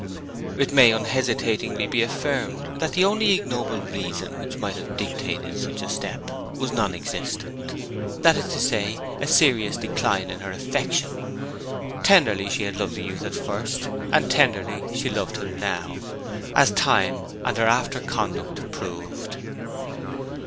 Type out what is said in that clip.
It may unhesitatingly be affirmed that the only ignoble reason which might have dictated such a step was non existent; that is to say, a serious decline in her affection. Tenderly she had loved the youth at first, and tenderly she loved him now, as time and her after conduct proved.